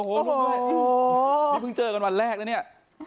พี่เพิ่งเจอกันวันแรกแล้วเนี่ย